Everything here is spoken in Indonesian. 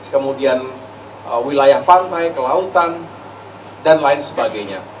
kemudian wilayah pantai kelautan dan lain sebagainya